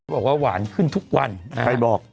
บอกว่าหวานขึ้นทุกวันใครบอก